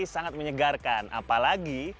sangat menyegarkan apalagi